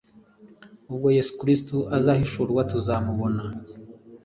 ubwo yesu kristo azahishurwa ttuzamubona